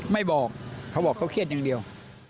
ไม่บอกเขาบอกเขาเครียดอย่างเดียว